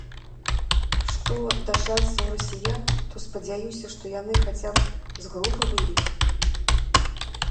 Што да шансаў расіян, то, спадзяюся, што яны хаця б з групы выйдуць.